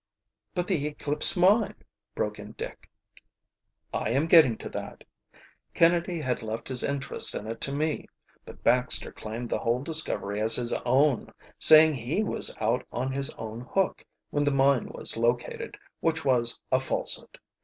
"But the Eclipse Mine " broke in Dick. "I am getting to that. Kennedy had left his interest in it to me, but Baxter claimed the whole discovery as his own, saying he was out on his own hook when the mine was located, which was a falsehood.